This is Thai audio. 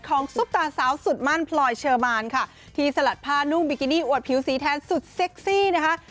ซุปตาสาวสุดมั่นพลอยเชอร์มานค่ะที่สลัดผ้านุ่งบิกินี่อวดผิวสีแทนสุดเซ็กซี่นะคะ